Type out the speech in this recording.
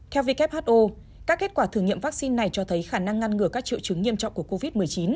theo who các kết quả thử nghiệm vaccine này cho thấy khả năng ngăn ngừa các triệu chứng nghiêm trọng của covid một mươi chín